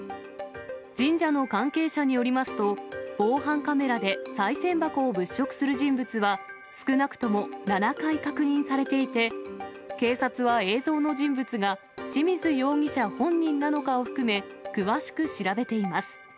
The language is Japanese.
神社の関係者によりますと、防犯カメラでさい銭箱を物色する人物は、少なくとも７回確認されていて、警察は映像の人物が、清水容疑者本人なのかを含め、詳しく調べています。